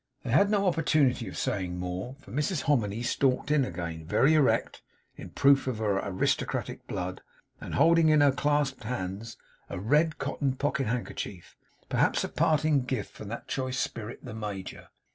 They had no opportunity of saying more, for Mrs Hominy stalked in again very erect, in proof of her aristocratic blood; and holding in her clasped hands a red cotton pocket handkerchief, perhaps a parting gift from that choice spirit, the Major.